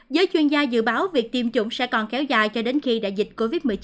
giới chuyên gia dự báo việc tiêm chủng sẽ còn kéo dài cho đến khi đại dịch covid một mươi chín